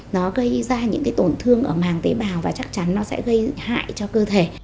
nó gây ra những cái tổn thương ở màng tế bào và chắc chắn nó sẽ gây hại cho cơ thể